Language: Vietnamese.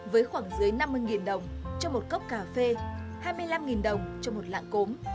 với khoảng dưới năm mươi đồng cho một cốc cà phê hai mươi năm đồng cho một lạng cốm